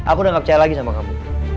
aku udah gak percaya lagi sama kamu